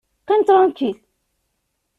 Qqim ṭṛankil!